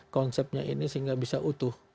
konsepnya ini sehingga bisa utuh